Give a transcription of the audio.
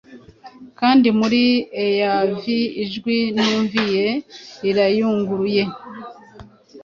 Kandi muri Heavn ijwi numvie, rirayunguruye